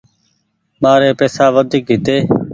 مآري پئيسا وڍيڪ هيتي۔